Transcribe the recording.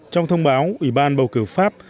trong thông báo ủy ban bầu cử pháp